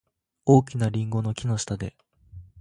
大きなリンゴの木の下で。